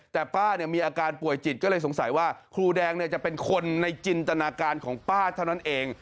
แต่ป้ามีอาการป่วยจิตก็เลยสงสัยว่าครูแดงจะเป็นคนในจินตนาการของป้าเท่านั้นเอง